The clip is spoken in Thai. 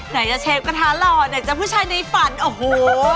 ไหนจะเชฟกระทะหล่อไหนจะผู้ชายในฝันโอ้โห